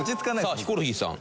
さあヒコロヒーさん。